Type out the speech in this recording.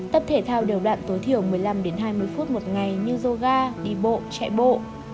tập thể thao đều đạn tối thiểu một mươi năm đến hai mươi phút một ngày như yoga đi bộ chạy bộ